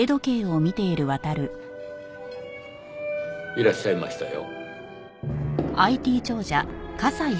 いらっしゃいましたよ。